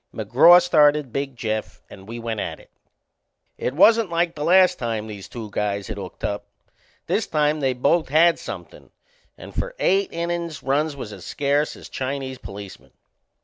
McGraw started Big Jeff and we went at it. It wasn't like the last time these two guys had hooked up. This time they both had somethin', and for eight innin's runs was as scarce as Chinese policemen.